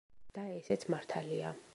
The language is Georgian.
და ესეც მართალია.